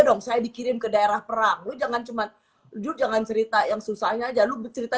dong saya dikirim ke daerah perang jangan cuman juga jangan cerita yang susahnya jalur bercerita